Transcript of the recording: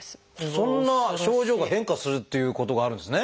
そんな症状が変化するっていうことがあるんですね。